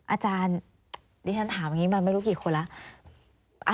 อาจารย์ดิฉันถามอย่างนี้มาไม่รู้กี่คนแล้ว